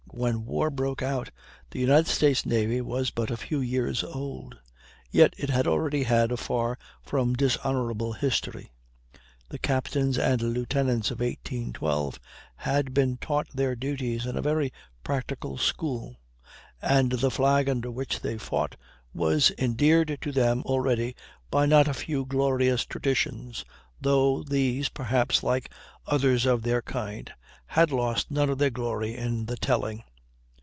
When war broke out the United States Navy was but a few years old, yet it already had a far from dishonorable history. The captains and lieutenants of 1812 had been taught their duties in a very practical school, and the flag under which they fought was endeared to them already by not a few glorious traditions though these, perhaps, like others of their kind, had lost none of their glory in the telling.